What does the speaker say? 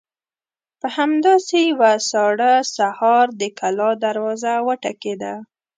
په همداسې يوه ساړه سهار د کلا دروازه وټکېده.